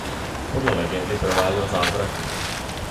Podle legendy prováděl zázraky.